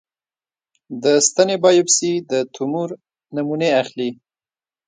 د ستنې بایوپسي د تومور نمونې اخلي.